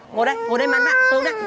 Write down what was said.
ngồi đây mắn vạ đi mẹ đi về đây